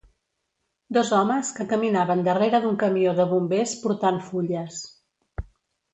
Dos homes que caminaven darrere d'un camió de bombers portant fulles